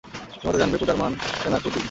তুমি হয়তো জানবে, পূজার মন কেন এত উদ্বিগ্ন।